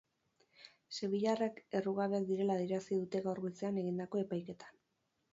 Sevillarrak errugabeak direla adierazi dute gaur goizean egindako epaiketan.